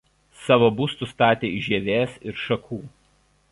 Savo būstus statė iš žievės ir šakų.